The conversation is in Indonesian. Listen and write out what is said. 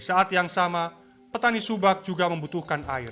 saat yang sama petani subak juga membutuhkan air